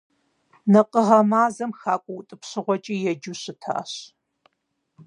Накъыгъэ мазэм хакӀуэ утӀыпщыгъуэкӀи еджэу щытащ.